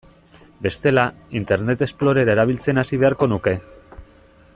Bestela, Internet Explorer erabiltzen hasi beharko nuke.